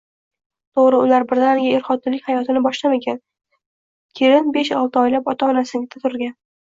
Toʻgʻri, ular birdaniga er-xotinlik hayotini boshlamagan, kelin besh-olti oylab ota-onasinikida turgan